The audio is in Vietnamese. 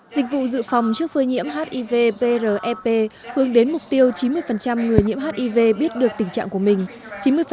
dịch vụ dự phòng trước phơi nhiễm hiv prep hướng đến mục tiêu chín mươi người nhiễm hiv biết được tình trạng của mình